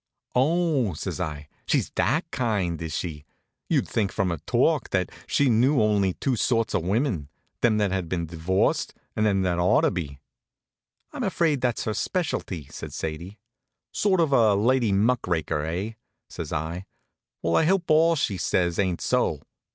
"Oh!" says I. "She's that kind, is she? You'd think from her talk that she knew only two sorts of women: them that had been divorced, and them that ought to be." "I'm afraid that's her specialty," says Sadie. "Sort of a lady muck raker, eh?" says I. "Well I hope all she says ain't so.